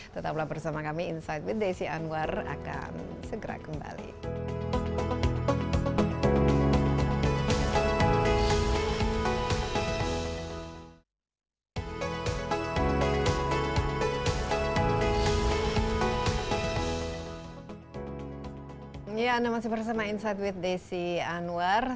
tetap bersama kami insight with desi anwar